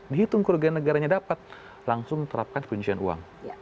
dihitung keurangan negaranya dapat langsung menerapkan penyusian uang